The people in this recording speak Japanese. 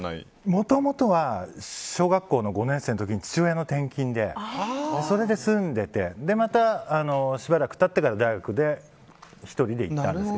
もともとは小学校５年生の時に父親の転勤でそれで住んでいてまたしばらく経ってから大学で１人で行ったんです。